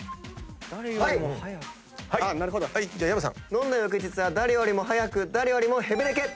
飲んだ翌日は誰よりも早く誰よりもヘベレケ。